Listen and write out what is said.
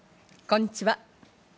こんにちは。